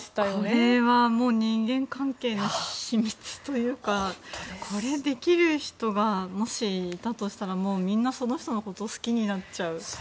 これは人間関係の秘密というかこれができる人がもしいたとしたらみんなその人のこと好きになっちゃう。